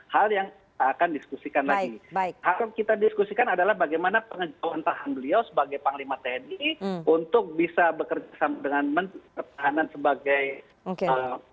hal yang kita diskusikan adalah bagaimana pengejauhan tahan beliau sebagai panglima tni untuk bisa bekerja dengan menterah tahanan sebagai